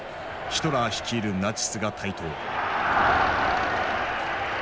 ヒトラー率いるナチスが台頭。